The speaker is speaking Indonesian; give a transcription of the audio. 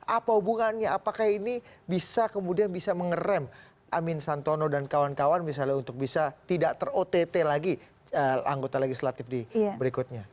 apa hubungannya apakah ini bisa kemudian bisa mengerem amin santono dan kawan kawan misalnya untuk bisa tidak ter ott lagi anggota legislatif di berikutnya